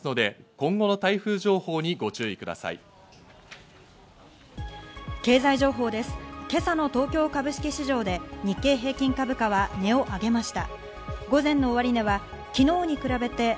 今朝の東京株式市場で日経平均株価は値を上げました。